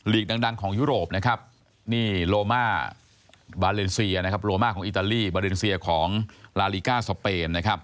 ลีกดังของยุโรปโรมาบาเลนเซียโรมาของอิตาลีบาเลนเซียของลาลีก้าสเปน